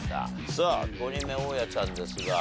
さあ５人目大家ちゃんですが。